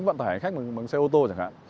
vận tải khách bằng xe ô tô chẳng hạn